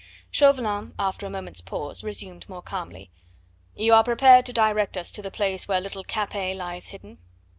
Chauvelin, after a moment's pause, resumed more calmly: "You are prepared to direct us to the place where little Capet lies hidden?"